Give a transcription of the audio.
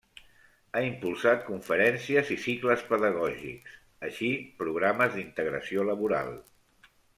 Ha impulsat conferències i cicles pedagògics, així programes d'integració laboral.